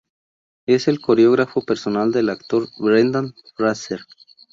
Es el coreógrafo personal del actor Brendan Fraser.